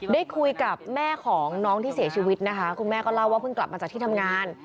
ได้คุยกับแม่ของน้องที่เสียชีวิตนะคะคุณแม่ก็เล่าว่าเพิ่งกลับมาจากที่ทำงาน